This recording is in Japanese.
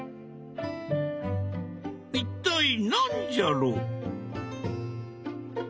一体何じゃろ？